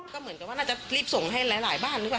ก็เหมือนกับว่าน่าจะรีบส่งให้หลายบ้านหรือเปล่า